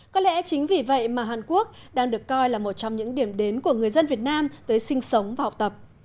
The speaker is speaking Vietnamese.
có lẽ chính vì vậy mà hàn quốc đang được coi là một trong những điểm đến của người dân việt nam tới sinh sống và học tập